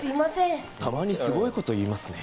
たまにすごいこと言いますね。